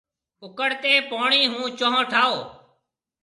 اُڪڙتي پوڻِي هون چونه ٺاهو۔